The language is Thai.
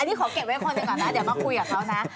นี่ขอเก็บไว้คนหนึ่งก่อนนะเดี๋ยวมาคุยกับเขานะ